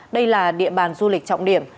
đây là địa bàn du lịch trọng điểm